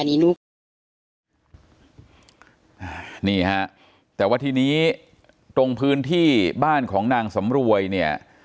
นี่ฮะแต่ว่าทีนี้ตรงพื้นที่บ้านของนางสำรวยเนี่ย